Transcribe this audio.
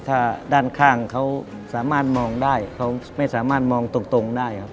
ถ้าด้านข้างเขาสามารถมองได้เขาไม่สามารถมองตรงได้ครับ